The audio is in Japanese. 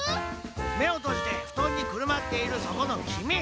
めをとじてふとんにくるまっているそこのきみ！